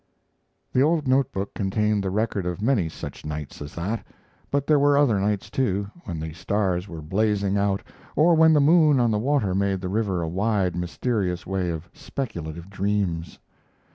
The old note book contained the record of many such nights as that; but there were other nights, too, when the stars were blazing out, or when the moon on the water made the river a wide mysterious way of speculative dreams.